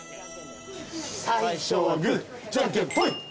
最初はグーじゃんけんぽい。